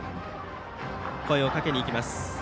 声をかけに行きます。